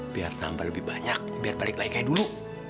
biar tambah lebih banyak biar balik lagi kayak dulu